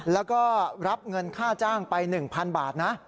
แล้วก็รับเงินค่าจ้างไป๑๐๐๐บาทนะ